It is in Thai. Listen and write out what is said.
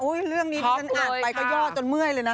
อุ้ยเรื่องนี้ที่ฉันอัดไปก็ย่อจนเมื่อยเลยนะ